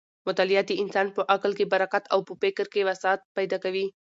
مطالعه د انسان په عقل کې برکت او په فکر کې وسعت پیدا کوي.